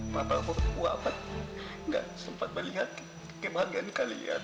papa pun puas hati nggak sempat melihat kebahagiaan kalian